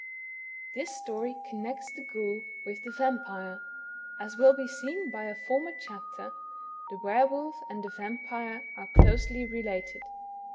This story connects the ghoul with the vampire. As will be seen by a former chapter, the were wolf and the vampire are closely related.